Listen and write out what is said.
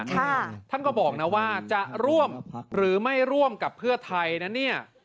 ท่านก็บอกนะว่าจะร่วมหรือไม่ร่วมกับเพื่อไทยนั้นเนี่ย